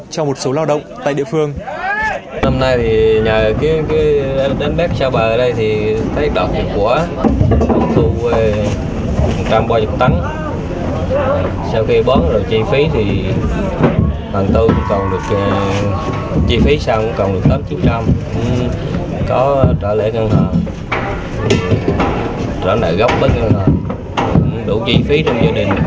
cho một số lao động tại địa phương